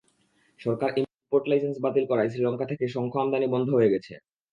সরকার import licence বাতিল করায় শ্রীলঙ্কা থেকে শঙ্খ আমদানি বন্ধ হয়ে গেছে।